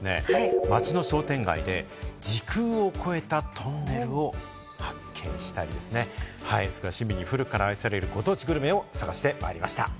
きょうは街の商店街で時空を超えたトンネルを発見したり、市民に古くから愛されるご当地グルメを探してまいりました。